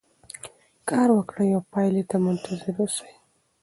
کار وکړئ او پایلې ته منتظر اوسئ.